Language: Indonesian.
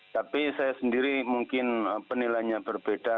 tapi saya sendiri mungkin penilainya berbeda